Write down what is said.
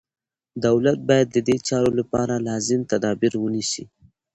دولت باید ددې چارو لپاره لازم تدابیر ونیسي.